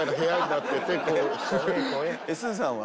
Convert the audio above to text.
すずさんは？